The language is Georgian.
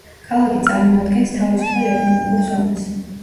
ქალაქი წარმოადგენს თავისუფალ ეკონომიკურ ზონას.